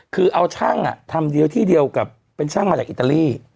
คือเอาช่างทำเดียวที่เดียวกับเป็นช่างมาจากอิตาลี